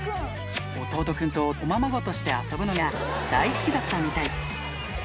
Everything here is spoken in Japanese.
弟君とおままごとして遊ぶのが大好きだったみたい。